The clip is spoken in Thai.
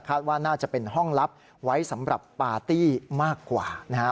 ว่าน่าจะเป็นห้องลับไว้สำหรับปาร์ตี้มากกว่านะฮะ